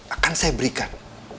akan saya berikan